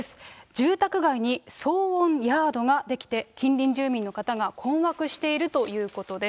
住宅街に騒音ヤードが出来て、近隣住民の方が困惑しているということです。